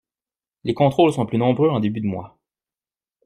Les contrôles sont plus nombreux en début de mois.